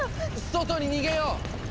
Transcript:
⁉外に逃げよう！